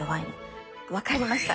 分かりました。